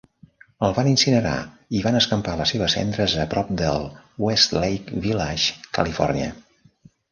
El van incinerar i van escampar les seves cendres a prop del Westlake Village, Califòrnia.